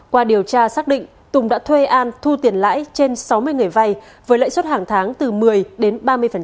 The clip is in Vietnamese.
qua điều tra xác định tùng đã thuê an thu tiền lãi trên sáu mươi người vay với lãi suất hàng tháng từ một mươi đến ba mươi